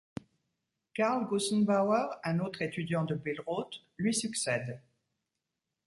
Carl Gussenbauer, un autre étudiant de Billroth lui succède.